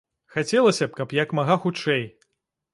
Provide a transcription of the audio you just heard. Хацелася б, каб як мага хутчэй!